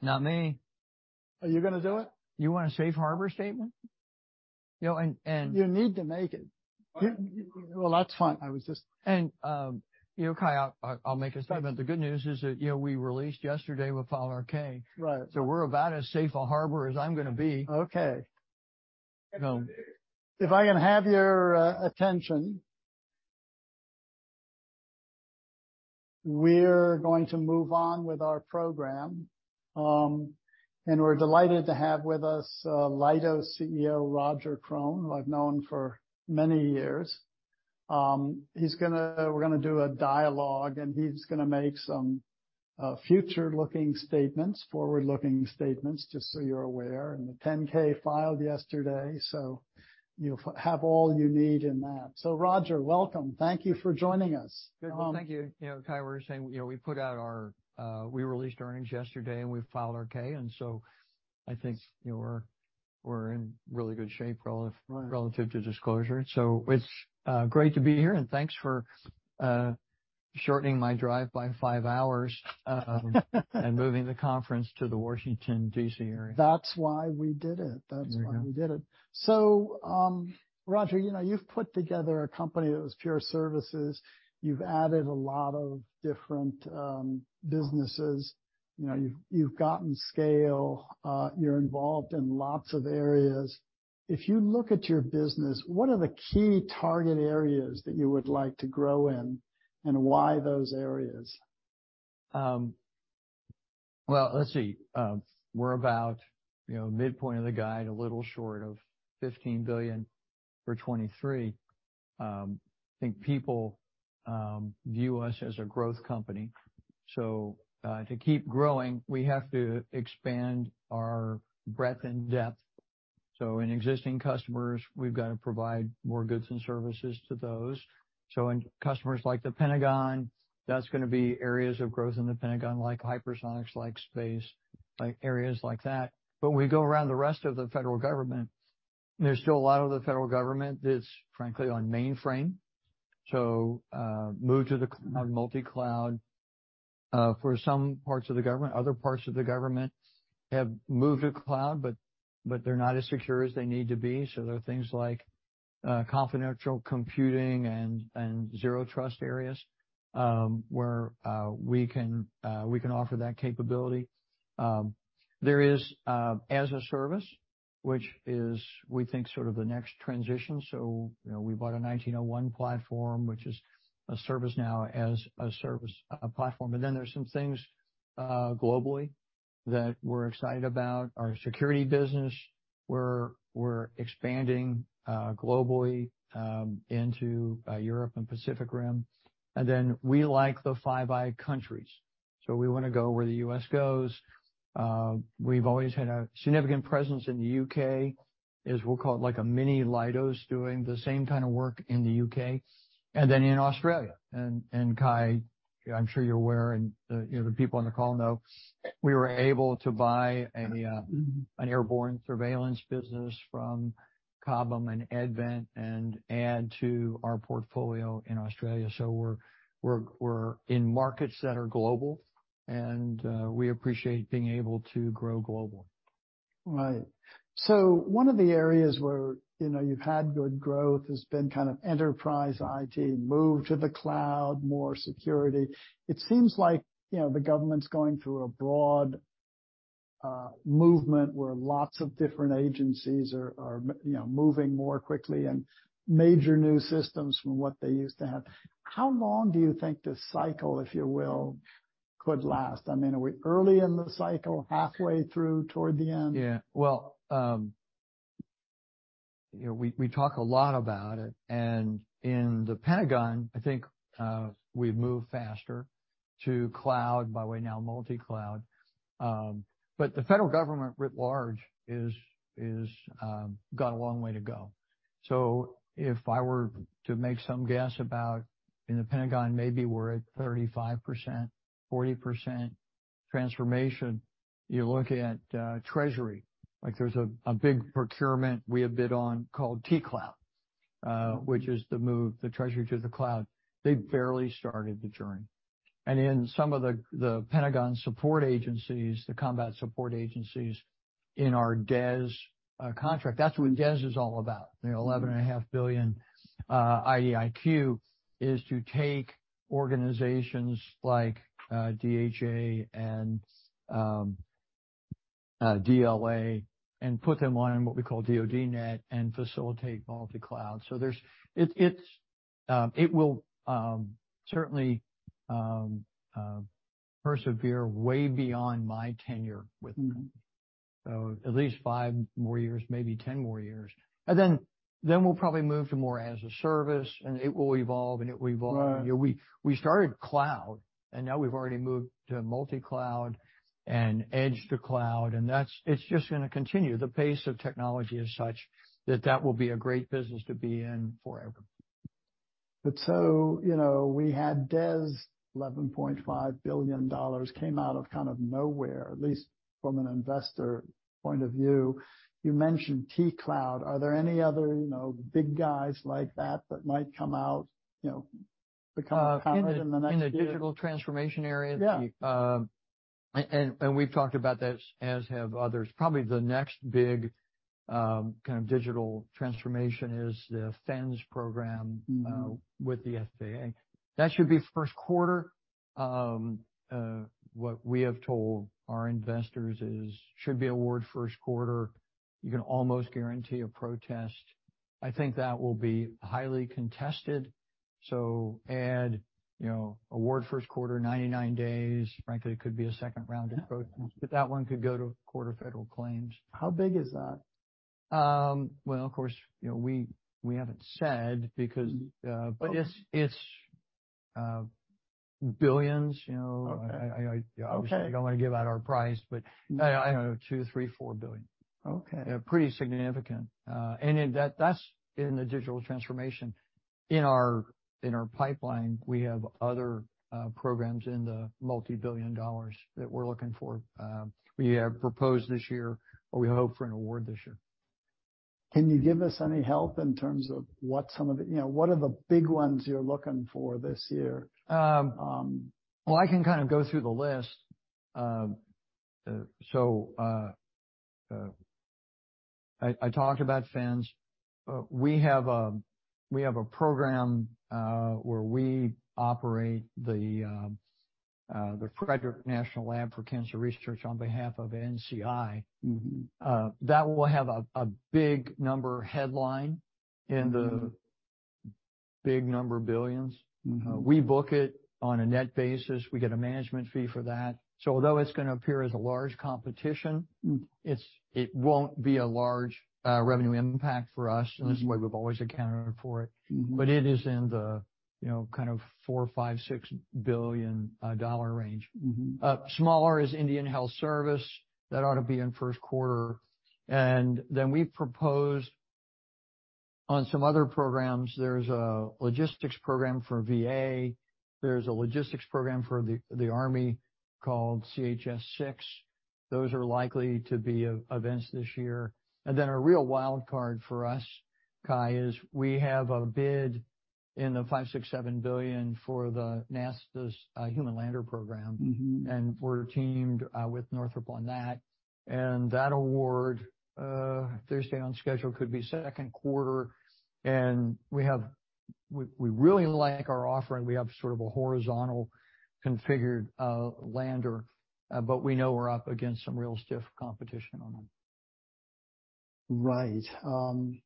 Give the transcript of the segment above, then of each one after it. Not me. Are you gonna do it? You want a safe harbor statement? You know. You need to make it. Well, that's fine. You know, Cai, I'll make a statement. The good news is that, you know, we released yesterday, we filed our K. Right. We're about as safe a harbor as I'm gonna be. Okay. You know. If I can have your attention. We're going to move on with our program, we're delighted to have with us Leidos CEO, Roger Krone, who I've known for many years. We're gonna do a dialogue, and he's gonna make some future-looking statements, forward-looking statements, just so you're aware, in the 10-K filed yesterday. You'll have all you need in that. Roger, welcome. Thank you for joining us. Well, thank you. You know, Cai, we were saying, you know, we put out our, we released earnings yesterday, and we filed our K. I think, you know, we're in really good shape relative to disclosure. It's great to be here, and thanks for shortening my drive by five hours. Moving the conference to the Washington, D.C. area. That's why we did it. There you go. That's why we did it. Roger, you know, you've put together a company that was pure services. You've added a lot of different businesses. You know, you've gotten scale. You're involved in lots of areas. If you look at your business, what are the key target areas that you would like to grow in, and why those areas? Well, let's see. We're about, you know, midpoint of the guide, a little short of $15 billion for 2023. I think people view us as a growth company, to keep growing, we have to expand our breadth and depth. In existing customers, we've got to provide more goods and services to those. In customers like the Pentagon, that's gonna be areas of growth in the Pentagon, like hypersonics, like space, like areas like that. When we go around the rest of the federal government, there's still a lot of the federal government that's, frankly, on mainframe. Move to the multi-cloud for some parts of the government. Other parts of the government have moved to cloud, but they're not as secure as they need to be. There are things like confidential computing and zero trust areas where we can offer that capability. There is as a service, which is, we think, sort of the next transition. You know, we bought a 1901 platform, which is a ServiceNow as a service, a platform. There's some things globally that we're excited about. Our security business, we're expanding globally into Europe and Pacific Rim. We like the Five Eyes countries, so we wanna go where the U.S. goes. We've always had a significant presence in the U.K., as we'll call it, like a mini Leidos doing the same kind of work in the U.K. and then in Australia. Cai, I'm sure you're aware, and, you know, the people on the call know, we were able to buy an airborne surveillance business from Cobham and Advent and add to our portfolio in Australia. We're in markets that are global, and we appreciate being able to grow globally. Right. One of the areas where, you know, you've had good growth has been kind of enterprise IT, move to the cloud, more security. It seems like, you know, the government's going through a broad movement where lots of different agencies are, you know, moving more quickly and major new systems from what they used to have. How long do you think this cycle, if you will, could last? I mean, are we early in the cycle, halfway through, toward the end? Yeah. Well, you know, we talk a lot about it. In the Pentagon, I think, we've moved faster to cloud, by the way, now multi-cloud. The federal government writ large is got a long way to go. If I were to make some guess about in the Pentagon, maybe we're at 35%, 40% transformation. You look at Treasury, like there's a big procurement we have bid on called T-Cloud, which is to move the Treasury to the cloud. They've barely started the journey. In some of the Pentagon support agencies, the combat support agencies in our DES contract, that's what DES is all about. You know, $11.5 billion IDIQ is to take organizations like, DHA and, DLA and put them on what we call DoDNet and facilitate multi-cloud. It will certainly persevere way beyond my tenure with the company. At least five more years, maybe 10 more years. Then we'll probably move to more as-a-service, and it will evolve. Right. You know, we started cloud, and now we've already moved to multi-cloud and edge to cloud, and it's just gonna continue. The pace of technology is such that that will be a great business to be in forever. You know, we had DES, $11.5 billion came out of kind of nowhere, at least from an investor point of view. You mentioned T-Cloud. Are there any other, you know, big guys like that that might come out, you know? In the digital transformation area. Yeah And we've talked about this, as have others. Probably the next big, kind of digital transformation is the FENS program with the FAA. That should be Q1. what we have told our investors is, should be award Q1. You can almost guarantee a protest. I think that will be highly contested, so add, you know, award Q1, 99 days. Frankly, it could be a second round of protests. Yeah. That one could go to Court of Federal Claims. How big is that? Of course, you know, we haven't said because. It's $ billions, you know. Okay. I obviously don't wanna give out our price, but I don't know, $2 billion, $3 billion, $4 billion. Okay. Yeah, pretty significant. In that's in the digital transformation. In our pipeline, we have other programs in the multi-billion dollars that we're looking for, we have proposed this year or we hope for an award this year. Can you give us any help in terms of you know, what are the big ones you're looking for this year? Well, I can kind of go through the list. I talked about FENS. We have a program, where we operate the Frederick National Laboratory for Cancer Research on behalf of NCI. That will have a big number headline in the big number billions. We book it on a net basis. We get a management fee for that. Although it's gonna appear as a large competition, it won't be a large revenue impact for us. This is the way we've always accounted for it. It is in the, you know, kind of $4 billion-$6 billion range. Smaller is Indian Health Service. That ought to be in Q1. Then we've proposed on some other programs, there's a logistics program for VA. There's a logistics program for the army called CHS-6. Those are likely to be e-events this year. Then a real wild card for us, Cai, is we have a bid in the $5 billion, $6 billion, $7 billion for the NASA's Human Landing System program. We're teamed with Northrop on that. That award, Thursday on schedule, could be Q2. We really like our offering. We have sort of a horizontal configured lander, but we know we're up against some real stiff competition on it. Right. Do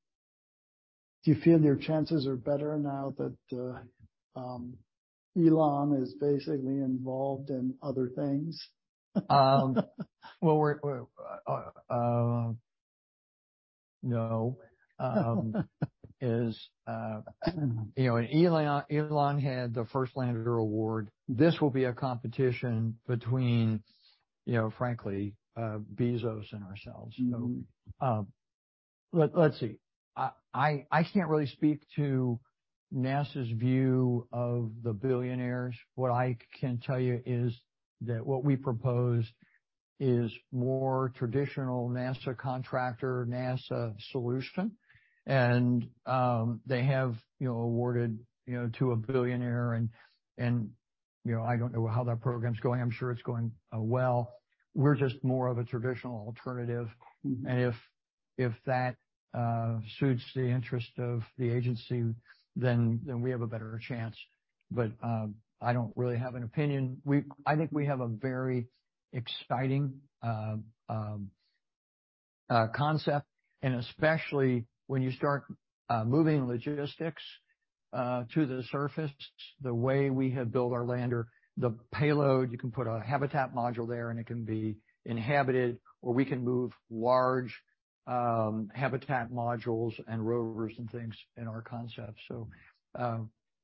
you feel your chances are better now that Elon is basically involved in other things? Well, we're No. Is, you know, Elon had the first lander award. This will be a competition between, you know, frankly, Bezos and ourselves. Let's see. I can't really speak to NASA's view of the billionaires. What I can tell you is that what we propose is more traditional NASA contractor, NASA solution, and they have, you know, awarded, you know, to a billionaire and, you know, I don't know how that program's going. I'm sure it's going well. We're just more of a traditional alternative. If that suits the interest of the agency, then we have a better chance. I don't really have an opinion. I think we have a very exciting concept and especially when you start moving logistics to the surface, the way we have built our lander, the payload, you can put a habitat module there, and it can be inhabited, or we can move large habitat modules and rovers and things in our concept.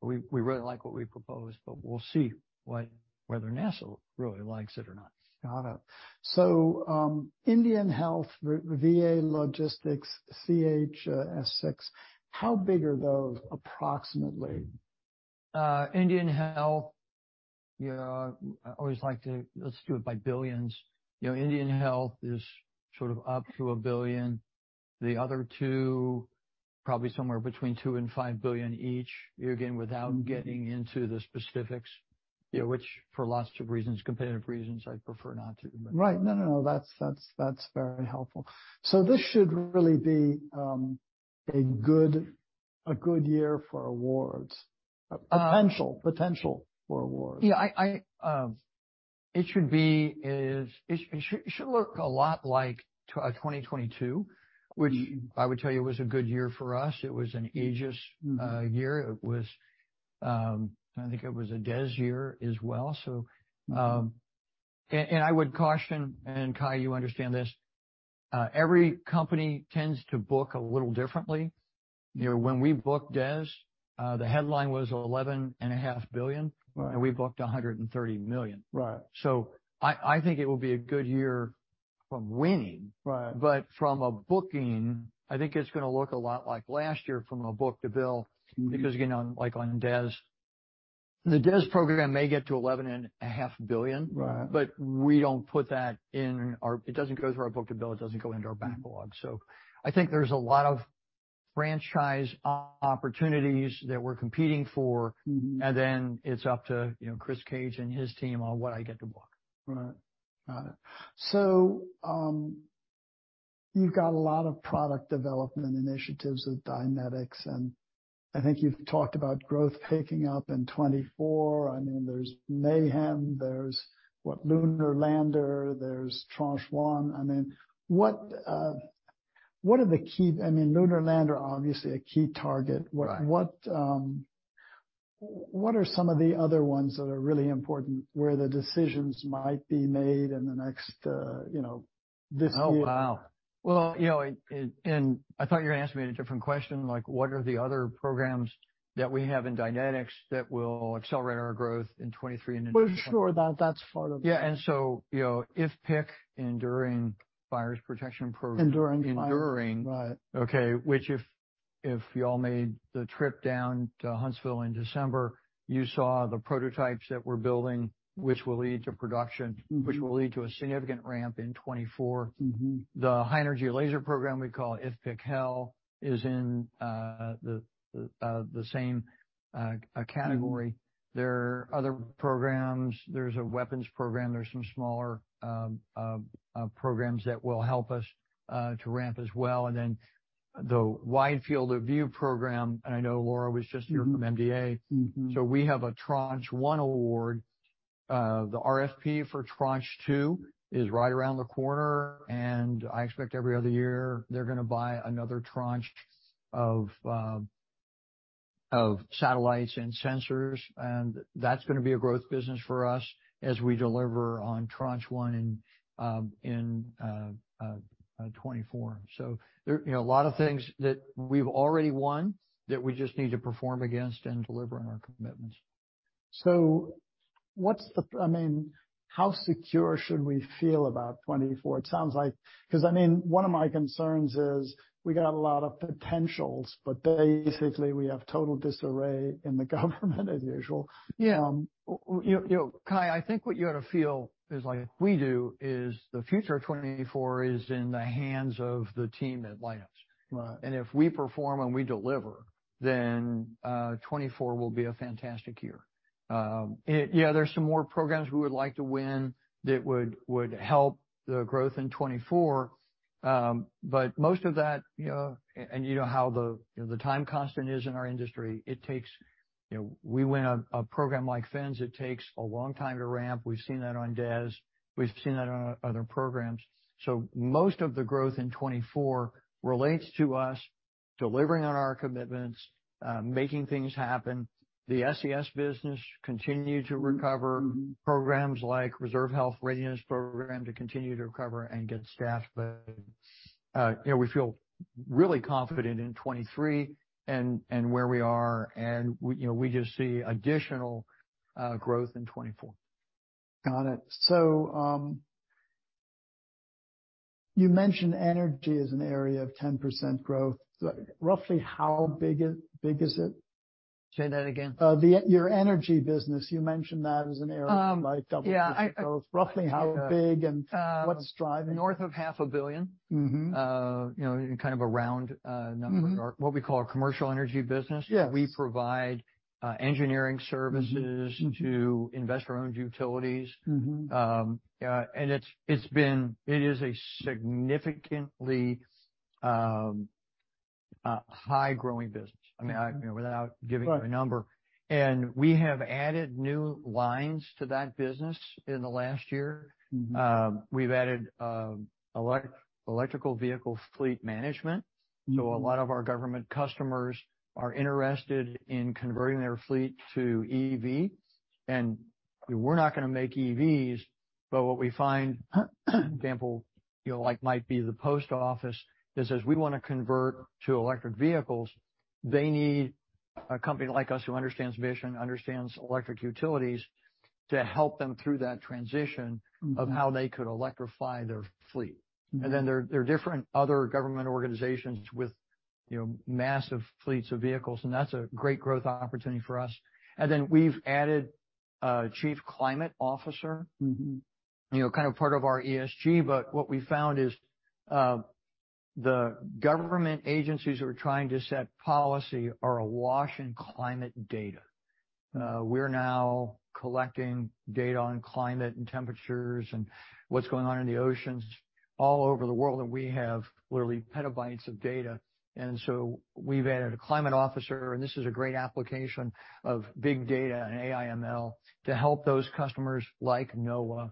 We really like what we propose, but we'll see whether NASA really likes it or not. Got it. Indian Health, the VA Logistics, CHS-6, how big are those approximately? Indian Health Service, you know. Let's do it by billions. Indian Health Service is sort of up to $1 billion. The other two, probably somewhere between $2 billion-$5 billion each. Again, without getting into the specifics, you know, which for lots of reasons, competitive reasons, I prefer not to. Right. No, no. That's very helpful. This should really be a good year for awards. Potential. Potential for awards. I should look a lot like 2022. Which I would tell you was a good year for us. It was an AEGIS year. It was, I think it was a DES year as well. And I would caution, and Cai, you understand this, every company tends to book a little differently. You know, when we booked DES, the headline was eleven and a half billion dollars. Right. We booked $130 million. Right. I think it will be a good year from winning. Right. From a booking, I think it's gonna look a lot like last year from a book to bill because, you know, like on DES, the DES program may get to $11.5 billion. Right. We don't put that. It doesn't go through our book to bill. It doesn't go into our backlog. I think there's a lot of Franchise opportunities that we're competing for. Then it's up to, you know, Chris Cage and his team on what I get to book. Right. Got it. You've got a lot of product development initiatives with Dynetics, and I think you've talked about growth picking up in 2024. I mean, there's Mayhem, there's, what, Lunar Lander, there's Tranche 1. I mean, what are the key? I mean, Lunar Lander, obviously a key target. Right. What are some of the other ones that are really important, where the decisions might be made in the next, you know, this year? Oh, wow. Well, you know. I thought you were asking me a different question, like what are the other programs that we have in Dynetics that will accelerate our growth in 2023 and into. Well, sure. That's part of it. Yeah. you know, IFPC Enduring Fires Protection Program- Enduring Shield. Enduring. Right. Okay, which if y'all made the trip down to Huntsville in December, you saw the prototypes that we're building, which will lead to production. Which will lead to a significant ramp in 2024. The high energy laser program we call IFPC-HEL is in, the same, category. There are other programs. There's a weapons program. There's some smaller programs that will help us to ramp as well. The Wide Field of View program, and I know Laura was just here from MDA. We have a Tranche 1 award. The RFP for Tranche 2 is right around the corner. I expect every other year they're gonna buy another tranche of satellites and sensors. That's gonna be a growth business for us as we deliver on Tranche 1 in 2024. There, you know, a lot of things that we've already won that we just need to perform against and deliver on our commitments. I mean, how secure should we feel about 2024? 'cause, I mean, one of my concerns is we got a lot of potentials, but basically, we have total disarray in the government as usual. Yeah. You, you know, Cai, I think what you ought to feel is like we do, is the future of 2024 is in the hands of the team at Leidos. Right. If we perform and we deliver, then, 2024 will be a fantastic year. Yeah, there's some more programs we would like to win that would help the growth in 2024. Most of that, you know, and you know how the, you know, the time constant is in our industry, it takes, you know, we win a program like FENS, it takes a long time to ramp. We've seen that on DES. We've seen that on other programs. Most of the growth in 2024 relates to us delivering on our commitments, making things happen. The SES business continue to recover. Programs like Reserve Health Readiness program to continue to recover and get staffed. You know, we feel really confident in 2023 and where we are, and we, you know, we just see additional growth in 2024. Got it. You mentioned energy as an area of 10% growth. Roughly how big is it? Say that again. Your energy business, you mentioned that as an area of like double-digit growth. Yeah. Roughly how big and what's driving it? North of half a billion. You know, in kind of a round number. What we call our commercial energy business. Yes. We provide engineering services to investor-owned utilities. Mm-hmm. It is a significantly high growing business. I mean, I, you know, without giving you a number. Right. We have added new lines to that business in the last year. Mm-hmm. We've added, electrical vehicle fleet management. Mm-hmm. A lot of our government customers are interested in converting their fleet to EV. We're not going to make EVs, but what we find, for example, you know, like might be the post office that says, We want to convert to electric vehicles, they need a company like us who understands mission, understands electric utilities, to help them through that transition. Mm-hmm of how they could electrify their fleet. Mm-hmm. There are different other government organizations with, you know, massive fleets of vehicles, and that's a great growth opportunity for us. Then we've added a Chief Climate Officer. Mm-hmm. You know, kind of part of our ESG, but what we found is, the government agencies who are trying to set policy are awash in climate data. We're now collecting data on climate and temperatures and what's going on in the oceans all over the world, and we have literally petabytes of data. So we've added a climate officer, and this is a great application of big data and AI ML to help those customers like NOAA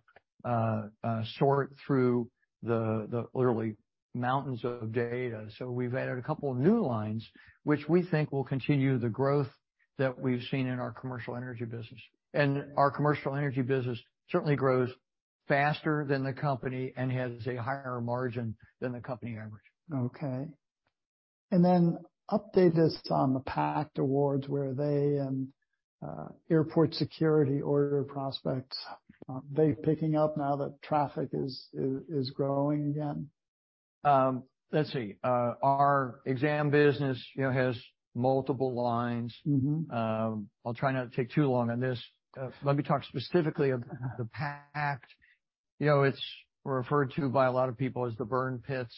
sort through the literally mountains of data. We've added a couple of new lines, which we think will continue the growth that we've seen in our commercial energy business. Our commercial energy business certainly grows faster than the company and has a higher margin than the company average. Okay. Then update us on the PACT awards. Where are they? Airport security order prospects, are they picking up now that traffic is growing again? Let's see. Our exam business, you know, has multiple lines. Mm-hmm. I'll try not to take too long on this. Let me talk specifically. You know, it's referred to by a lot of people as the burn pits,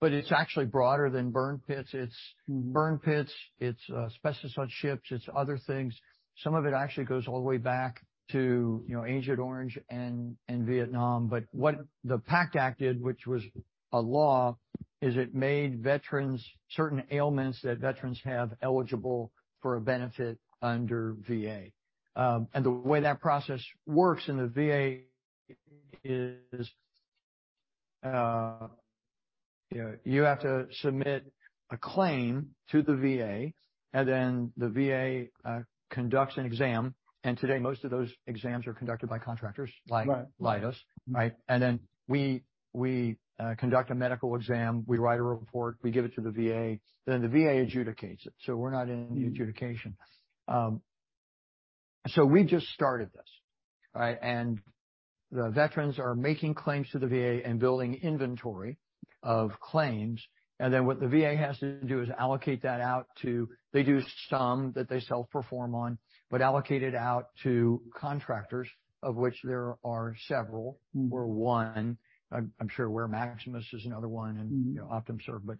but it's actually broader than burn pits. It's burn pits, it's asbestos on ships, it's other things. Some of it actually goes all the way back to, you know, Agent Orange and Vietnam. What the PACT Act did, which was a law, is it made certain ailments that veterans have eligible for a benefit under VA. The way that process works in the VA is, you know, you have to submit a claim to the VA, and then the VA conducts an exam. Today, most of those exams are conducted by contractors like Leidos. Right. Right? We, we conduct a medical exam, we write a report, we give it to the VA, then the VA adjudicates it. We're not in the adjudication. We just started this, right? The veterans are making claims to the VA and building inventory of claims, and then what the VA has to do is allocate that out to they do some that they self-perform on, but allocate it out to contractors, of which there are several. We're one. I'm sure Maximus is another one and, you know, OptumServe.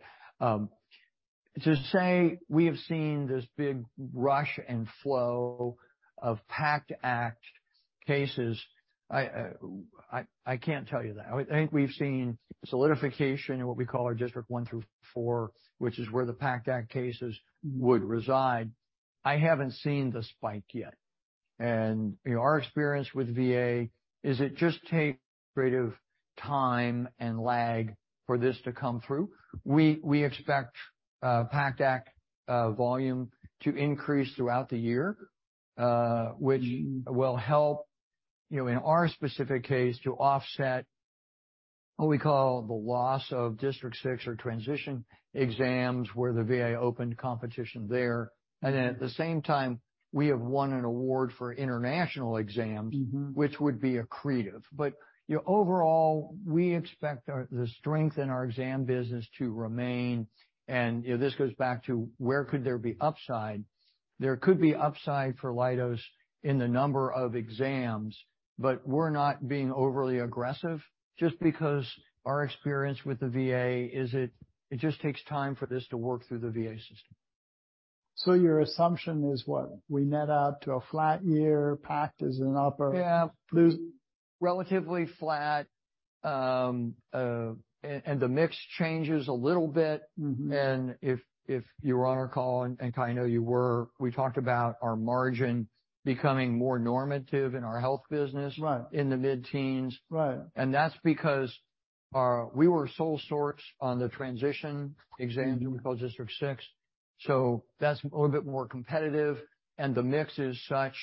To say we have seen this big rush and flow of PACT Act cases, I can't tell you that. I think we've seen solidification in what we call our district one through four, which is where the PACT Act cases would reside. I haven't seen the spike yet. You know, our experience with VA is it just takes creative time and lag for this to come through. We expect PACT Act volume to increase throughout the year. Mm-hmm. Which will help, you know, in our specific case, to offset what we call the loss of district six or transition exams, where the VA opened competition there. At the same time, we have won an award for international exams. Mm-hmm. Which would be accretive. You know, overall, we expect the strength in our exam business to remain. You know, this goes back to where could there be upside? There could be upside for Leidos in the number of exams, but we're not being overly aggressive just because our experience with the VA is it just takes time for this to work through the VA system. Your assumption is what? We net out to a flat year, PACT is an upper-... Yeah. Loose. Relatively flat. The mix changes a little bit. Mm-hmm. If you were on our call, and I know you were, we talked about our margin becoming more normative in our health business. Right. In the mid-teens. Right. That's because we were sole source on the transition exams. Mm-hmm. Which we call District 6, so that's a little bit more competitive. The mix is such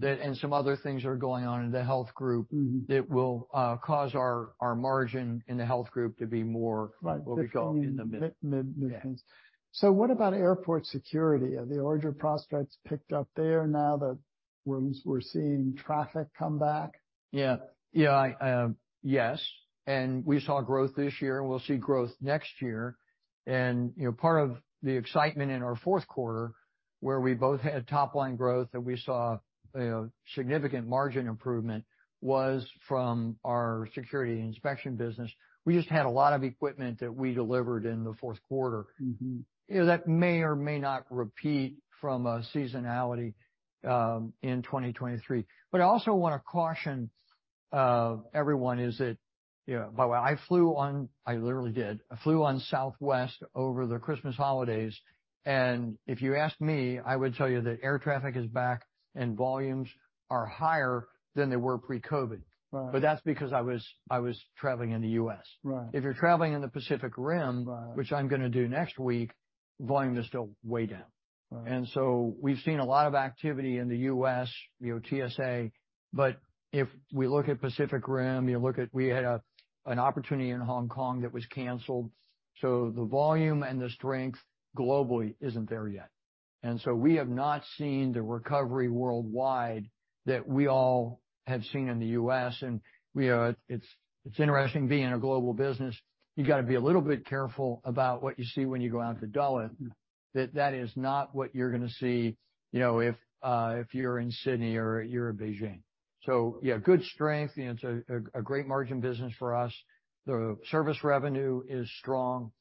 that, and some other things are going on in the health group. Mm-hmm. That will cause our margin in the health group to be. Right. What we call in the mid. Mid teens. Yeah. What about airport security? Have the order prospects picked up there now that we're seeing traffic come back? Yeah. Yeah, I, yes, and we saw growth this year, and we'll see growth next year. You know, part of the excitement in our Q4, where we both had top-line growth and we saw, you know, significant margin improvement, was from our security inspection business. We just had a lot of equipment that we delivered in the Q4. Mm-hmm. You know, that may or may not repeat from, seasonality, in 2023. I also wanna caution, everyone is that, you know, by the way, I literally did. I flew on Southwest over the Christmas holidays, and if you asked me, I would tell you that air traffic is back and volumes are higher than they were pre-COVID. Right. That's because I was traveling in the U.S. Right. If you're traveling in the Pacific Rim. Right. Which I'm gonna do next week, volume is still way down. Right. We've seen a lot of activity in the U.S., you know, TSA, but if we look at Pacific Rim, we had an opportunity in Hong Kong that was canceled, so the volume and the strength globally isn't there yet. We have not seen the recovery worldwide that we all have seen in the U.S. It's interesting being a global business. You gotta be a little bit careful about what you see when you go out to Dulles, that that is not what you're gonna see, you know, if you're in Sydney or you're in Beijing. Yeah, good strength. You know, it's a great margin business for us. The service revenue is strong.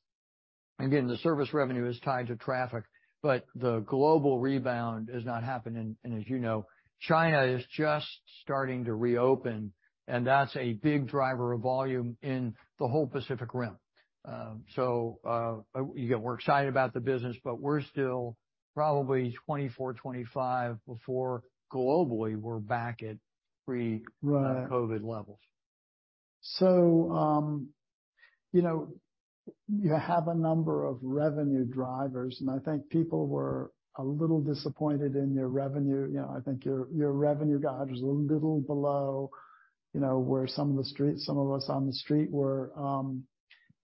Again, the service revenue is tied to traffic, but the global rebound is not happening. As you know, China is just starting to reopen, and that's a big driver of volume in the whole Pacific Rim. Again, we're excited about the business. We're still probably 2024, 2025 before globally we're back at pre- Right. -COVID levels. You know, you have a number of revenue drivers, and I think people were a little disappointed in your revenue. You know, I think your revenue guide was a little below, you know, where some of us on the street were.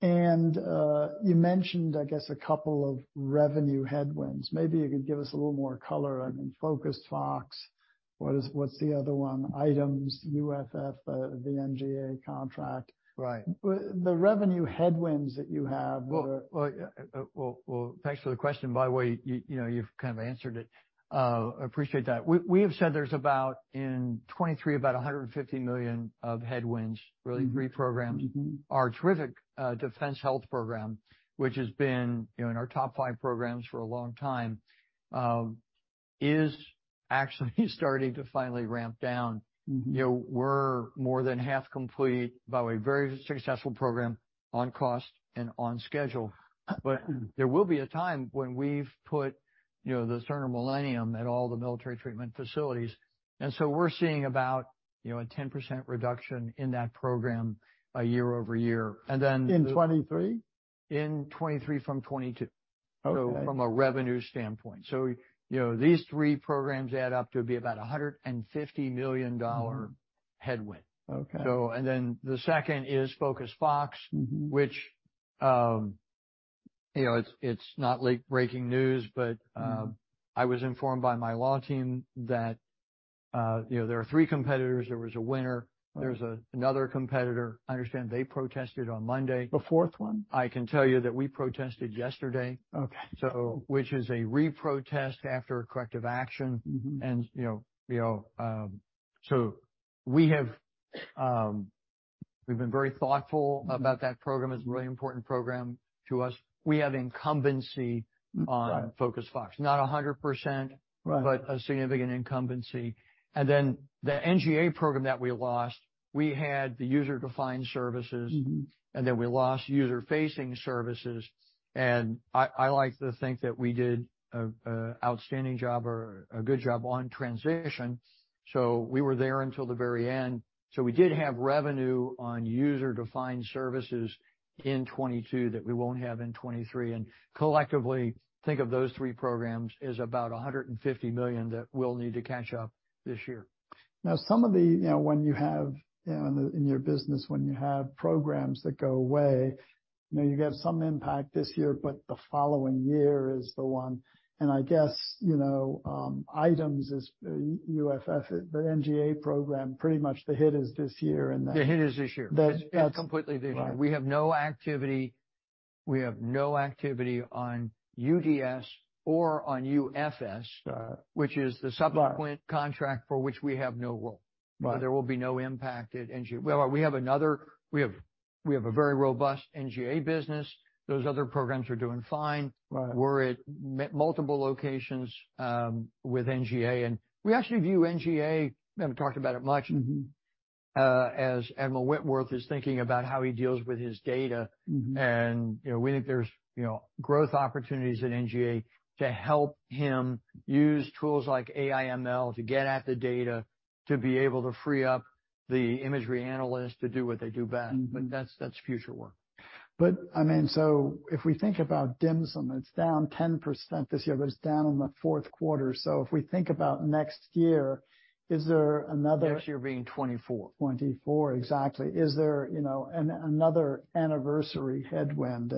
You mentioned, I guess, a couple of revenue headwinds. Maybe you could give us a little more color on Focused Fox. What's the other one? Items, UFF, the NGA contract. Right. The revenue headwinds that you have. Well, thanks for the question. By the way, you know, you've kind of answered it. Appreciate that. We have said there's about, in 2023, about $150 million of headwinds, really reprograms. Mm-hmm. Our terrific defense health program, which has been, you know, in our top five programs for a long time, is actually starting to finally ramp down. Mm-hmm. You know, we're more than half complete by a very successful program on cost and on schedule. There will be a time when we've put, you know, the Cerner Millennium at all the military treatment facilities. We're seeing about, you know, a 10% reduction in that program, year-over-year. In 2023? In 2023 from 2022. Okay. From a revenue standpoint. you know, these three programs add up to be about a $150 million headwind. Okay. The second is Focused Fox. Mm-hmm. You know, it's not late-breaking news, but, I was informed by my law team that, you know, there are three competitors. There was a winner. Right. There's another competitor. I understand they protested on Monday. A fourth one? I can tell you that we protested yesterday. Okay. Which is a re-protest after a corrective action. Mm-hmm. You know, we have, we've been very thoughtful about that program. It's a really important program to us. We have incumbency on Focused Fox. Right. Not a 100%. Right... a significant incumbency. The NGA program that we lost, we had the user-defined services. Mm-hmm. We lost user-facing services. I like to think that we did a outstanding job or a good job on transition, we were there until the very end. We did have revenue on user-defined services in 2022 that we won't have in 2023. Collectively, think of those three programs as about $150 million that we'll need to catch up this year. Some of the, you know, when you have, you know, in the, in your business, when you have programs that go away, you know, you have some impact this year, but the following year is the one. I guess, you know, items is UFF, the NGA program, pretty much the hit is this year, and then. The hit is this year. That, that's- It's completely this year. Right. We have no activity on UDS or on UFS. Got it.... which is the subsequent contract for which we have no role. Right. There will be no impact at NGA. Well, we have a very robust NGA business. Those other programs are doing fine. Right. We're at multiple locations, with NGA, and we actually view NGA, we haven't talked about it much- Mm-hmm... as Admiral Whitworth is thinking about how he deals with his data. Mm-hmm. You know, we think there's, you know, growth opportunities at NGA to help him use tools like AI ML to get at the data to be able to free up the imagery analyst to do what they do best. Mm-hmm. That's future work. I mean, so if we think about DHMSM, it's down 10% this year, but it's down in the Q4. If we think about next year, is there another. Next year being 2024. 2024, exactly. Is there, you know, another anniversary headwind?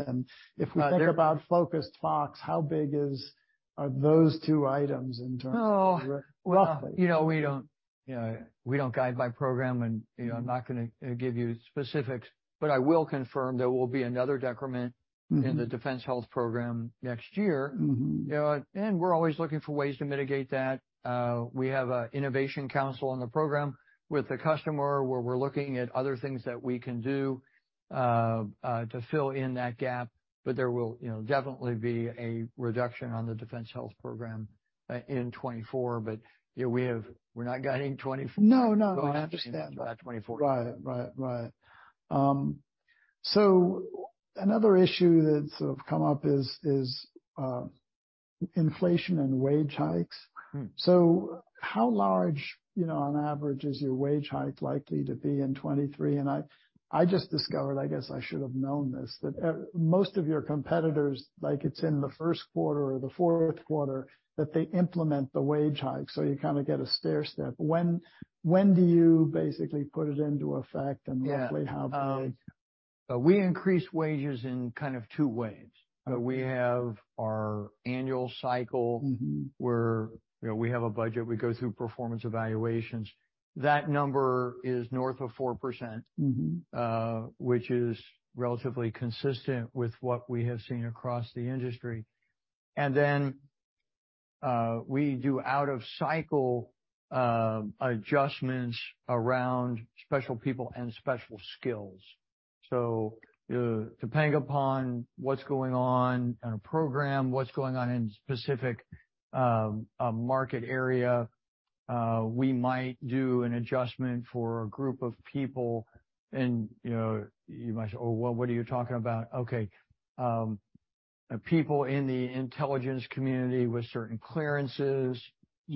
If we think about Focused Fox, how big are those two items in terms of- Oh, well, you know, we don't, you know, we don't guide by program and, you know, I'm not gonna give you specifics, but I will confirm there will be another decrement-. Mm-hmm... in the Defense Health program next year. Mm-hmm. You know, we're always looking for ways to mitigate that. We have an innovation council on the program with the customer where we're looking at other things that we can do to fill in that gap. There will, you know, definitely be a reduction on the Defense Health Program in 2024. You know, we're not guiding 2024. No, no, I understand. We'll have to see about 2024. Right. Another issue that's sort of come up is, inflation and wage hikes. Mm-hmm. How large, you know, on average is your wage hike likely to be in 2023? I just discovered, I guess I should have known this, that most of your competitors, like it's in the Q1 or the Q4 that they implement the wage hike, so you kinda get a stairstep. When do you basically put it into effect? Yeah roughly how big? We increase wages in kind of two ways. Okay. We have our annual cycle. Mm-hmm... where, you know, we have a budget, we go through performance evaluations. That number is north of 4%. Mm-hmm... which is relatively consistent with what we have seen across the industry. We do out of cycle adjustments around special people and special skills. Depending upon what's going on in a program, what's going on in a specific market area, we might do an adjustment for a group of people and, you know, you might say, Oh, well, what are you talking about? Okay, people in the intelligence community with certain clearances. Mm-hmm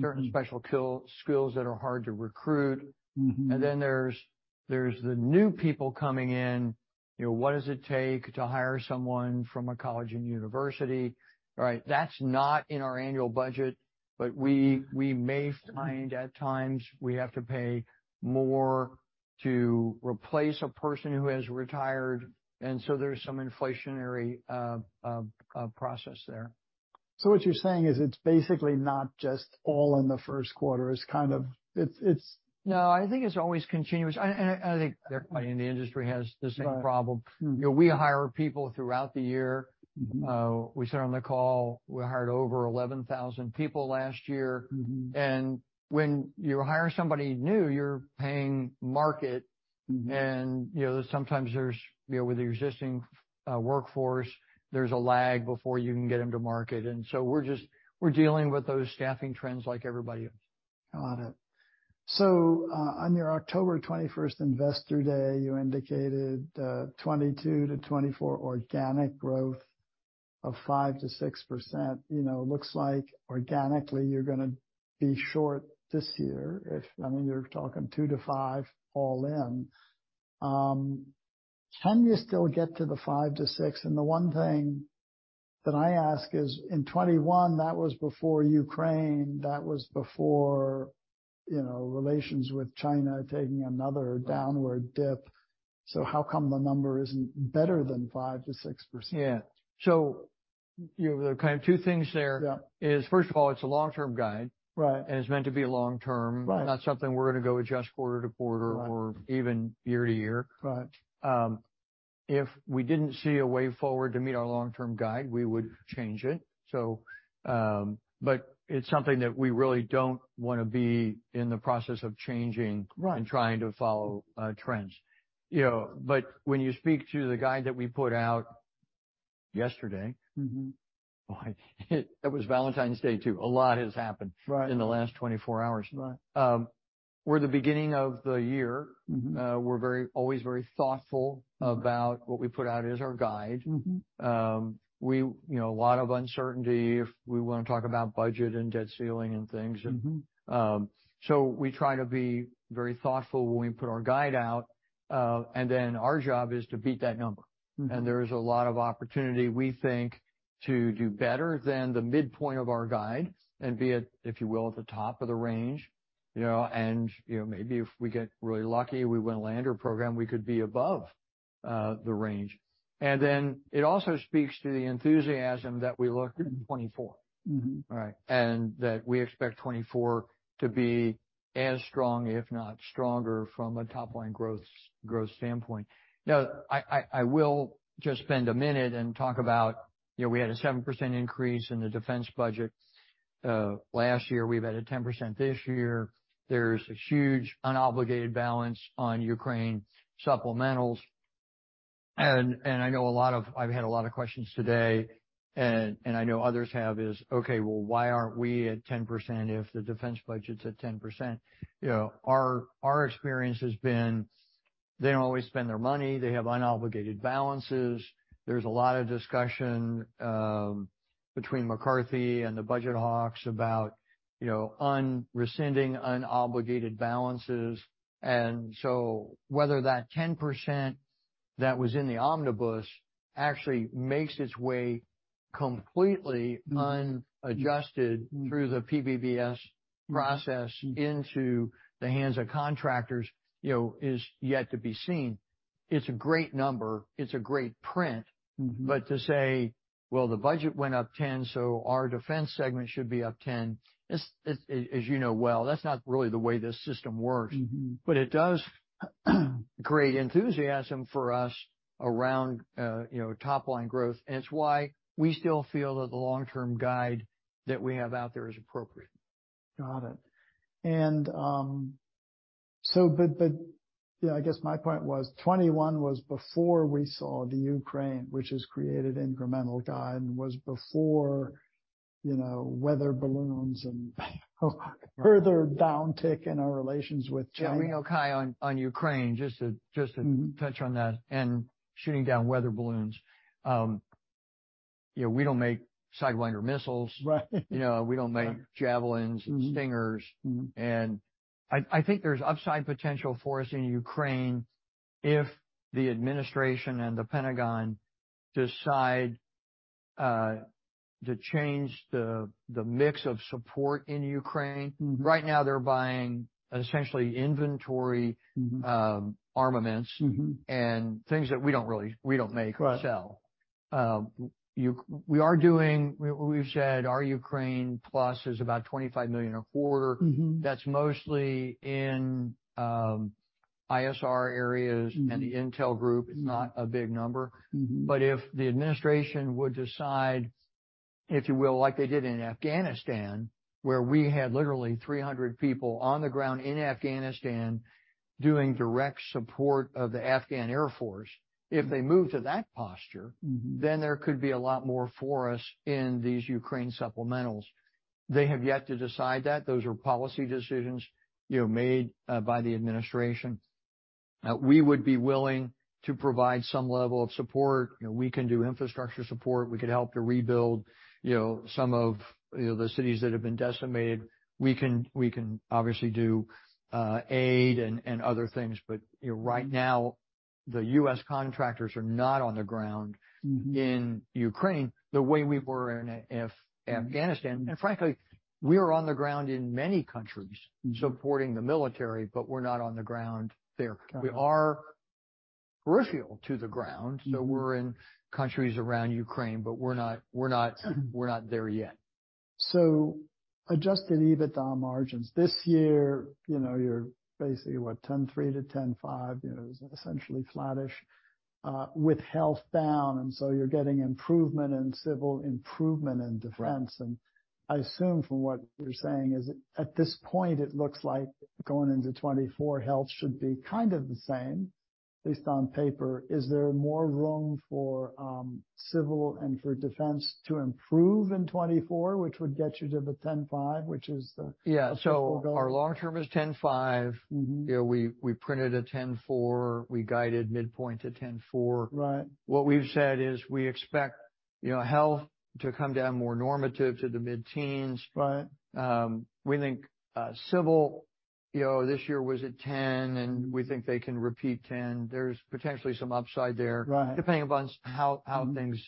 certain special skills that are hard to recruit. Mm-hmm. There's the new people coming in. You know, what does it take to hire someone from a college and university? Right. That's not in our annual budget, we may find at times we have to pay more to replace a person who has retired, there's some inflationary process there. What you're saying is it's basically not just all in the Q1, it's kind of it's... No, I think it's always continuous. I think everybody in the industry has the same problem. Right. Mm-hmm. You know, we hire people throughout the year. Mm-hmm. We said on the call we hired over 11,000 people last year. Mm-hmm. When you hire somebody new, you're paying market- Mm-hmm... and, you know, sometimes there's, you know, with the existing workforce, there's a lag before you can get them to market. We're just, we're dealing with those staffing trends like everybody else. Got it. On your October 21st investor day, you indicated 2022 to 2024 organic growth of 5% to 6%. You know, looks like organically you're gonna be short this year, I mean, you're talking 2% to 5% all in. Can you still get to the 5% to 6%? The one thing that I ask is, in 2021, that was before Ukraine, that was before, you know, relations with China taking another downward dip. How come the number isn't better than 5% to 6%? Yeah. the kind of two things there- Yeah is first of all, it's a long-term guide. Right. It's meant to be long-term. Right. Not something we're gonna go adjust quarter-to-quarter. Right or even year-to-year. Right. If we didn't see a way forward to meet our long-term guide, we would change it. It's something that we really don't wanna be in the process of changing. Right... and trying to follow, trends. You know, when you speak to the guide that we put out yesterday. Mm-hmm... boy, it was Valentine's Day, too. A lot has happened- Right... in the last 24 hours. Right. We're the beginning of the year. Mm-hmm. We're always very thoughtful about what we put out as our guide. Mm-hmm. We, you know, a lot of uncertainty if we wanna talk about budget and debt ceiling and things. Mm-hmm. We try to be very thoughtful when we put our guide out, and then our job is to beat that number. Mm-hmm. There is a lot of opportunity, we think, to do better than the midpoint of our guide, and be at, if you will, at the top of the range, you know. You know, maybe if we get really lucky, we win a Lander program, we could be above the range. Then it also speaks to the enthusiasm that we look in 2024. Mm-hmm. Right? That we expect 2024 to be as strong, if not stronger, from a top-line growth standpoint. I will just spend a minute and talk about, you know, we had a 7% increase in the defense budget last year. We've had a 10% this year. There's a huge unobligated balance on Ukraine supplementals. I know I've had a lot of questions today and I know others have, is okay, well, why aren't we at 10% if the defense budget's at 10%? You know, our experience has been they don't always spend their money. They have unobligated balances. There's a lot of discussion between McCarthy and the budget hawks about, you know, un-rescinding unobligated balances. Whether that 10% that was in the omnibus actually makes its way completely unadjusted- Mm-hmm through the PPBS process into the hands of contractors, you know, is yet to be seen. It's a great number. It's a great print. Mm-hmm. To say, Well, the budget went up 10, so our defense segment should be up 10, it's, as you know well, that's not really the way this system works. Mm-hmm. It does create enthusiasm for us around, you know, top-line growth, and it's why we still feel that the long-term guide that we have out there is appropriate. Got it. You know, I guess my point was 2021 was before we saw the Ukraine, which has created incremental guide, and was before, you know, weather balloons and further downtick in our relations with China. Yeah. We know Cai on Ukraine, just to touch on that, and shooting down weather balloons, you know, we don't make Sidewinder missiles. Right. You know, we don't make javelins and stingers. Mm-hmm. I think there's upside potential for us in Ukraine if the administration and the Pentagon decide to change the mix of support in Ukraine. Mm-hmm. Right now they're buying essentially inventory... Mm-hmm armaments- Mm-hmm... and things that we don't really, we don't make or sell. Right. We've said our Ukraine plus is about $25 million a quarter. Mm-hmm. That's mostly in ISR areas. Mm-hmm and the intel group. Mm-hmm. It's not a big number. Mm-hmm. If the administration would decide, if you will, like they did in Afghanistan, where we had literally 300 people on the ground in Afghanistan doing direct support of the Afghan Air Force, if they move to that posture. Mm-hmm There could be a lot more for us in these Ukraine supplementals. They have yet to decide that. Those are policy decisions, you know, made by the administration. We would be willing to provide some level of support. You know, we can do infrastructure support. We could help to rebuild, you know, some of, you know, the cities that have been decimated. We can obviously do aid and other things. But, you know, right now, the U.S. contractors are not on the ground- Mm-hmm... in Ukraine the way we were in Afghanistan. Frankly, we are on the ground in many countries... Mm-hmm... supporting the military, but we're not on the ground there. Got it. We are peripheral to the ground. Mm-hmm. We're in countries around Ukraine, but we're not there yet. Adjusted EBITDA margins. This year, you know, you're basically what, 10.3% to 10.5%, you know, essentially flattish, with health down, and so you're getting improvement in civil, improvement in defense. Right. I assume from what you're saying is at this point it looks like going into 2024, health should be kind of the same. Based on paper, is there more room for civil and for defense to improve in 2024, which would get you to the $10.5, which is? Yeah. the goal? Our long term is 10.5. Mm-hmm. You know, we printed a $10.4. We guided midpoint to $10.4. Right. What we've said is we expect, you know, health to come down more normative to the mid-teens. Right. We think, civil, you know, this year was at 10. We think they can repeat 10. There's potentially some upside there. Right. depending upon how things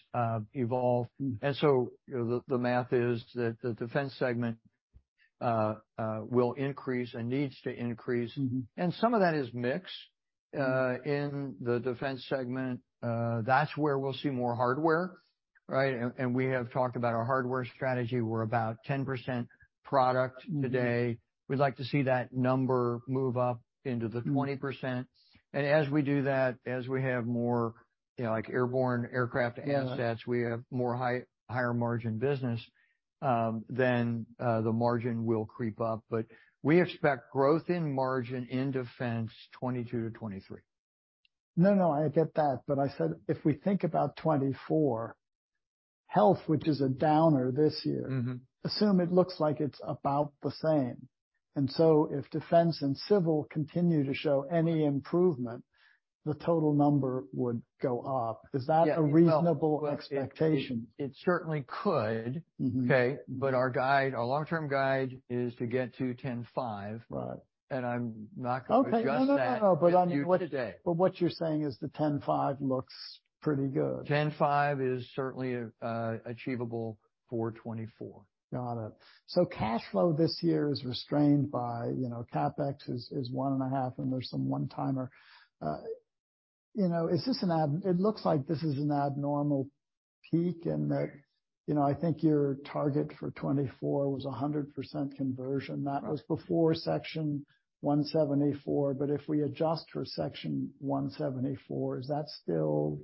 evolve. Mm. You know, the math is that the defense segment will increase and needs to increase. Mm-hmm. Some of that is mix in the defense segment. That's where we'll see more hardware, right? We have talked about our hardware strategy. We're about 10% product today. Mm-hmm. We'd like to see that number move up into the 20%. Mm. as we do that, as we have more, you know, like airborne aircraft assets. Yeah. We have more higher margin business, then, the margin will creep up. We expect growth in margin in defense 2022 to 2023. No, no, I get that. I said if we think about 2024, health, which is a downer this year. Mm-hmm. Assume it looks like it's about the same. If defense and civil continue to show any improvement, the total number would go up. Yeah. Is that a reasonable expectation? It certainly could. Mm-hmm. Okay? Our guide, our long-term guide is to get to 10.5. Right. I'm not gonna adjust that with you today. Okay. No, no. What, but what you're saying is the 10.5 looks pretty good. 10.5 is certainly achievable for 2024. Got it. Cash flow this year is restrained by, you know, CapEx is one and a half, and there's some one-timer. You know, it looks like this is an abnormal peak in that, you know, I think your target for 2024 was a 100% conversion. Right. That was before Section 174. If we adjust for Section 174, is that still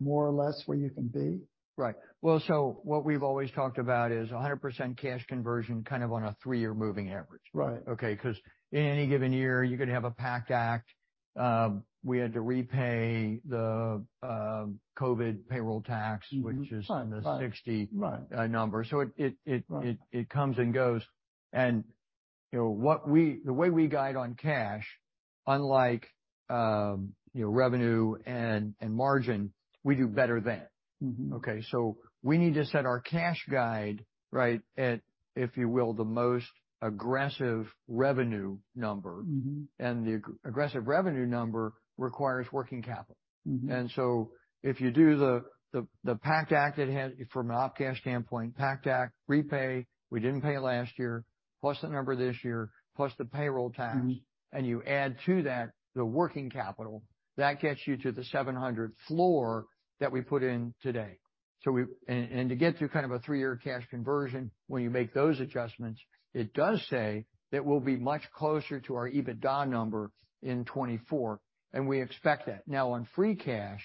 more or less where you can be? Right. Well, what we've always talked about is 100% cash conversion kind of on a three year moving average. Right. Okay? 'Cause in any given year, you could have a PACT Act. We had to repay the COVID payroll. Mm-hmm. -which is in the sixty- Right. Right. - number. It comes and goes. You know, the way we guide on cash, unlike, you know, revenue and margin, we do better than. Mm-hmm. Okay? We need to set our cash guide right at, if you will, the most aggressive revenue number. Mm-hmm. The aggressive revenue number requires working capital. Mm-hmm. If you do the PACT Act, from an Op cash standpoint, PACT Act repay, we didn't pay last year, plus the number this year, plus the payroll tax. Mm-hmm. You add to that the working capital, that gets you to the $700 floor that we put in today. To get to kind of a three year cash conversion, when you make those adjustments, it does say that we'll be much closer to our EBITDA number in 2024, and we expect that. Now, on free cash,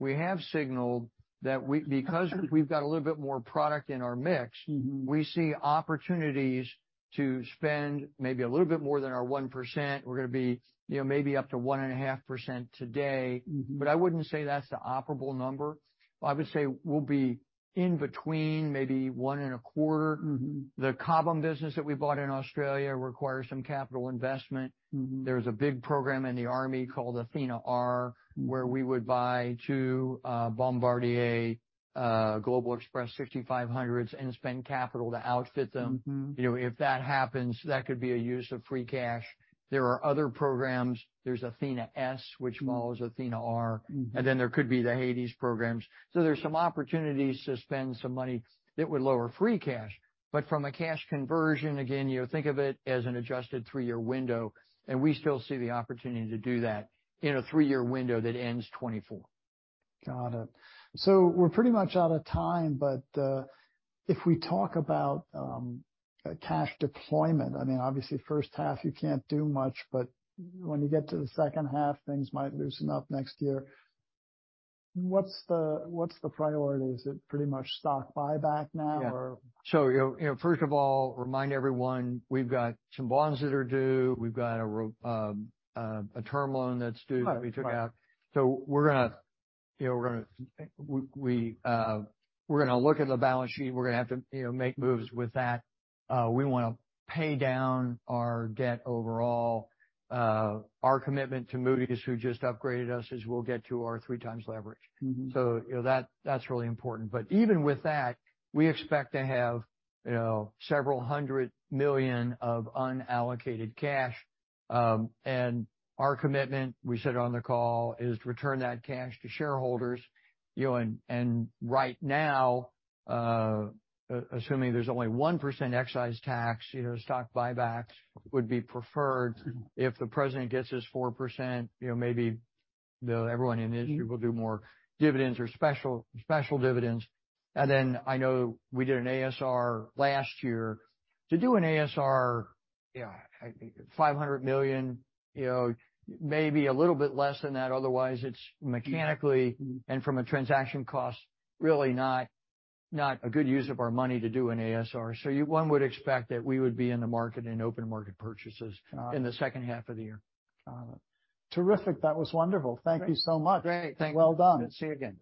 we have signaled that we, because we've got a little bit more product in our mix- Mm-hmm. we see opportunities to spend maybe a little bit more than our 1%. We're gonna be, you know, maybe up to 1.5% today. Mm-hmm. I wouldn't say that's the operable number. I would say we'll be in between maybe one and a quarter. Mm-hmm. The Cobham business that we bought in Australia requires some capital investment. Mm-hmm. There's a big program in the army called ATHENA-R where we would buy two Bombardier Global 6500s and spend capital to outfit them. Mm-hmm. You know, if that happens, that could be a use of free cash. There are other programs. There's ATHENA-S, which follows ATHENA-R, and then there could be the HADES programs. There's some opportunities to spend some money that would lower free cash. From a cash conversion, again, you think of it as an adjusted three-year window, and we still see the opportunity to do that in a three year window that ends 2024. Got it. We're pretty much out of time, but if we talk about cash deployment, I mean, obviously first half you can't do much, but when you get to the second half, things might loosen up next year. What's the, what's the priority? Is it pretty much stock buyback now or? Yeah. You know, first of all, remind everyone, we've got some bonds that are due. We've got a term loan that's due. Right. that we took out. We're gonna, you know, we're gonna look at the balance sheet. We're gonna have to, you know, make moves with that. We wanna pay down our debt overall. Our commitment to Moody's, who just upgraded us, is we'll get to our three times leverage. Mm-hmm. You know, that's really important. Even with that, we expect to have, you know, several hundred million of unallocated cash. Our commitment, we said on the call, is to return that cash to shareholders, you know, and right now, assuming there's only 1% excise tax, you know, stock buybacks would be preferred. Mm-hmm. If the president gets his 4%, you know, maybe everyone in the industry will do more dividends or special dividends. I know we did an ASR last year. To do an ASR, yeah, $500 million, you know, maybe a little bit less than that, otherwise it's mechanically and from a transaction cost, really not a good use of our money to do an ASR. One would expect that we would be in the market in open market purchases. Got it. in the second half of the year. Got it. Terrific. That was wonderful. Thank you so much. Great. Thank you. Well done. See you again.